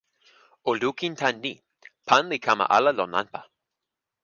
o lukin tan ni: pan li kama ala lon anpa.